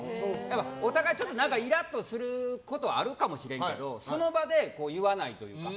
お互いイラッとすることはあるかもしれんけどその場で言わないというか。